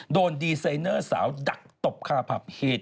โดนดีไซเนอร์สาวดักตบภาพภาพฮีต